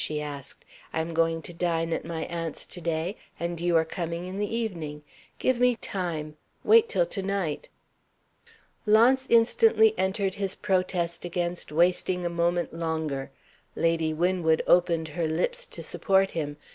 she asked. "I am going to dine at my aunt's to day, and you are coming in the evening. Give me time! Wait till to night." Launce instantly entered his protest against wasting a moment longer. Lady Winwood opened her lips to support him.